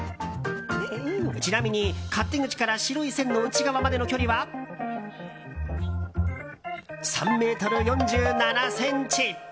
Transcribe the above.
ちなみに勝手口から白い線の内側までの距離は３ｍ４７ｃｍ。